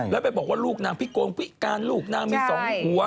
แล้วไปบอกว่าลูกนางพิโกงพิการลูกนางมี๒หัว